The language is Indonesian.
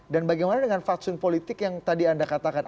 dan bagaimana dengan faksun politik yang tadi anda katakan